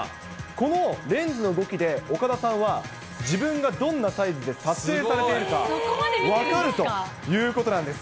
このレンズの動きで、岡田さんは自分がどんなサイズで撮影されているか、分かるということなんです。